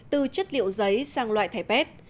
từ chất liệu giấy sang loại thẻ pet